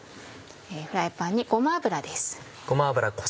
フライパンにごま油です。